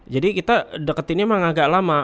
jadi kita deketinnya memang agak lama